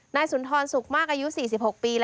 นายสุณธรณ์สุขมากอายุ๔๖ปี